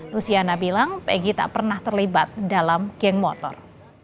luciana bilang egy tak pernah terlibat dalam geng motor